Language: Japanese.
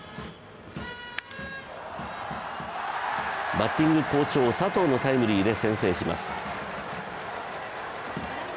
バッティング好調、佐藤のタイムリーで先制します。